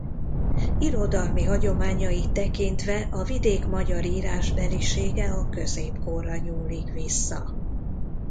Irodalmi hagyományait tekintve a vidék magyar írásbelisége a középkorra nyúlik vissza.